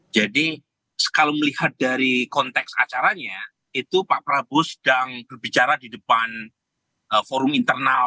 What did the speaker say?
jadi kalau melihat dari konteks acaranya itu pak prabowo sedang berbicara di depan forum internal